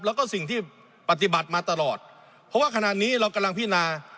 แล้วก็สิ่งที่ปฏิบัติมาตลอดเพราะว่าขณะนี้เรากำลังพินา